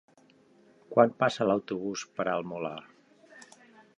Quan passa l'autobús per el Molar?